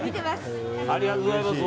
ありがとうございます。